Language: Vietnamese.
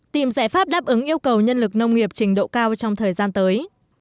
tìm giải pháp đáp ứng yêu cầu nhân lực nông nghiệp trình độ cao trong thời gian tới